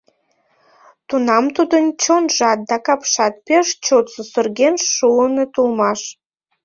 Тунам тудын чонжат да капшат пеш чот сусырген шуыныт улмаш.